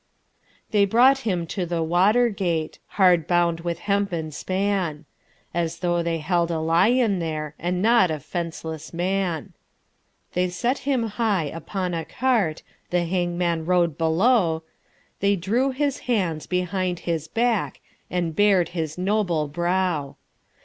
They brought him to the Watergate, Hard bound with hempen span, As though they held a lion there, And not a fenceless man. They set him high upon a cart, The hangman rode below, They drew his hands behind his backAnd bar'd his noble brow.